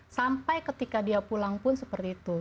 sampai ketika dia pulang pun seperti itu